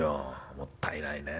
もったいないねえ」。